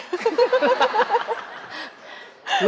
กว่าเดิมอีก